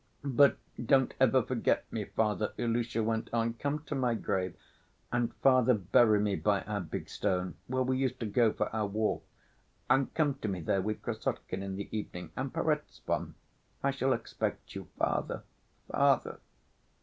"But don't ever forget me, father," Ilusha went on, "come to my grave ... and, father, bury me by our big stone, where we used to go for our walk, and come to me there with Krassotkin in the evening ... and Perezvon ... I shall expect you.... Father, father!"